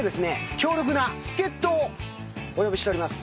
強力な助っ人をお呼びしております。